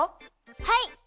はい！